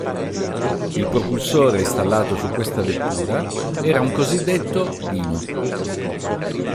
Il propulsore installato su questa vettura era un cosiddetto “Dino”.